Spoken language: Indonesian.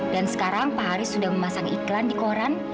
dan sekarang pak haris sudah memasang iklan di koran